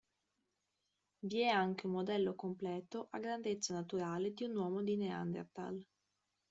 Vi è anche un modello completo a grandezza naturale di un uomo di Neanderthal.